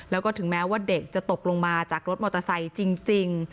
แล้วก็ถึงแม้ว่าเด็กจะตกลงมาจากรถมอเตอร์ไซค์จริง